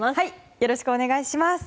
よろしくお願いします。